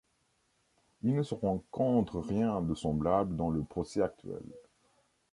Il ne se rencontre rien de semblable dans le procès actuel.